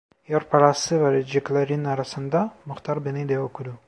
Yol parası vereceklerin arasında muhtar beni de okudu.